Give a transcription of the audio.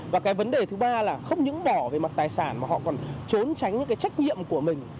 và cái vấn đề thứ ba là không những đỏ về mặt tài sản mà họ còn trốn tránh những cái trách nhiệm của mình